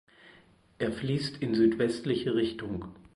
Er fließt in südwestliche Richtung.